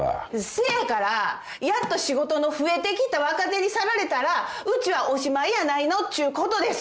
せやからやっと仕事の増えてきた若手に去られたらうちはおしまいやないのっちゅうことです。